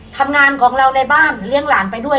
ทำงานของเราในบ้านเลี้ยงหลานไปด้วย